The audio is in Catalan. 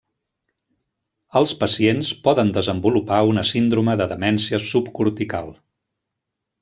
Els pacients poden desenvolupar una síndrome de demència subcortical.